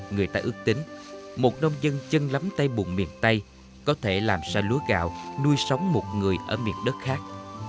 người ta ước tính một nông dân chân lắm tay buồn miền tây có thể làm sao lúa gạo nuôi sống một người ở miền đất khác